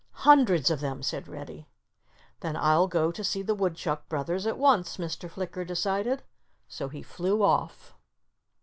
"Hundreds of them!" said Reddy. "Then I'll go to see the Woodchuck brothers at once," Mr. Flicker decided. So he flew off.